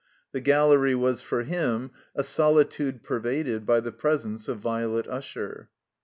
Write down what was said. The gallery was for him a solitude pervaded by the presence of Violet Usher.